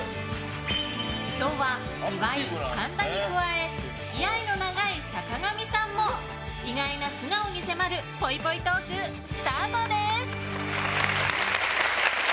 今日は岩井、神田に加え付き合いの長い坂上さんも意外な素顔に迫るぽいぽいトーク、スタートです！